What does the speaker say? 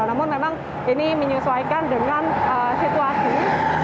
namun memang ini menyesuaikan dengan situasi